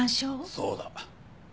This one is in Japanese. そうだ。